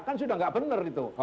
kan sudah tidak benar itu